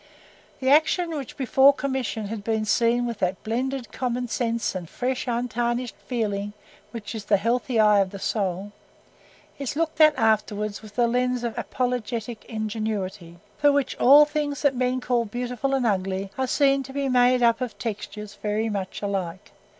The action which before commission has been seen with that blended common sense and fresh untarnished feeling which is the healthy eye of the soul, is looked at afterwards with the lens of apologetic ingenuity, through which all things that men call beautiful and ugly are seen to be made up of textures very much alike.